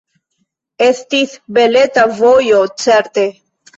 Estis beleta vojo, certe!